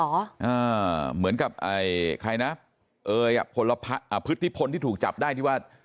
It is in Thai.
อ่าเหมือนกับไอ้ใครนะเอ๋ยอ่ะพลอ่าพฤติพลที่ถูกจับได้ที่ว่า